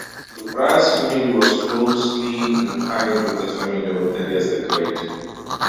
Gobryas' family was closely entwined with the family of Darius the Great.